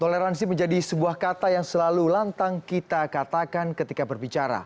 toleransi menjadi sebuah kata yang selalu lantang kita katakan ketika berbicara